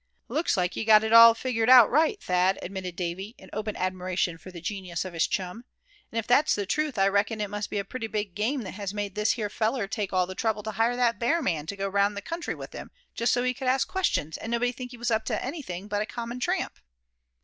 "Looks like you'd got it all figgered out right, Thad," admitted Davy, in open admiration for the genius of his chum. "And if that's the truth, I reckon it must be a pretty big game that has made this here feller take all the trouble to hire that bear man to go 'round the country with him, just so he could ask questions, and nobody think he was anything but a common tramp."